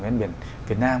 bên biển việt nam